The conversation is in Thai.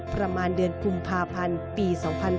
ประมาณเดือนกุมภาพันธ์ปี๒๕๕๙